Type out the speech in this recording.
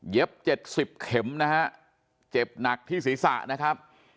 ๗๐เข็มนะฮะเจ็บหนักที่ศีรษะนะครับ